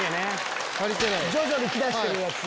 徐々にき出してるやつ？